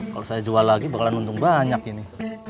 kalau saya jual lagi bakalan untung banyak ini